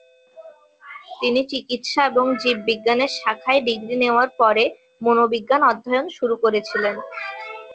তিনি চিকিৎসা এবং জীববিজ্ঞানের শাখায় ডিগ্রি নেওয়ার পরে মনোবিজ্ঞান অধ্যয়ন শুরু করেছিলেন।